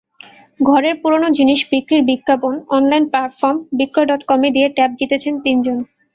ঘরের পুরোনো জিনিস বিক্রির বিজ্ঞাপন অনলাইন প্ল্যাটফর্ম বিক্রয় ডটকমে দিয়ে ট্যাব জিতেছেন তিনজন।